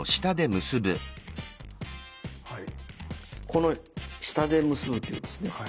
この下で結ぶっていうことですね。